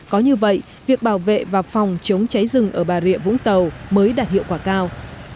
có như vậy việc bảo vệ và phòng chống cháy rừng ở bà rịa vũng tàu mới đạt hiệu quả cao